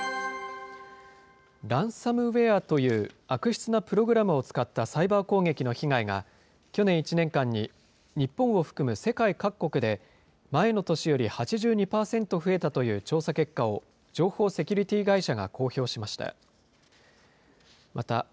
ランサムウエアという悪質なプログラムを使ったサイバー攻撃の被害が、去年１年間に日本を含む世界各国で、前の年より８２％増えたという調査結果を情報セキュリティー会社が公表しました。